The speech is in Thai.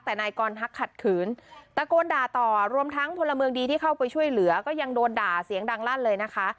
แต่นายกรทักขัดขืนตะโกนด่าต่อรวมทั้งพลเมืองดีที่เข้าไปช่วยเหลือก็ยังโดนด่าเสียงดังลั่นเลยนะคะ